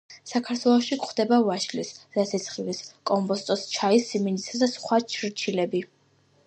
საქართველოში გვხვდება ვაშლის, ზეთისხილის, კომბოსტოს, ჩაის, სიმინდისა და სხვა ჩრჩილები.